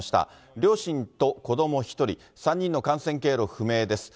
両親と子ども１人、３人の感染経路不明です。